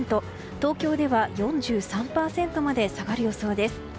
東京では４３％まで下がる予想です。